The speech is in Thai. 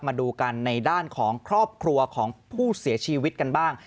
มาดูกันในด้านของครอบครัวของผู้เสียชีวิตกันบ้าง